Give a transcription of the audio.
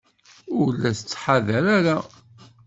Ur la tettḥadar ara.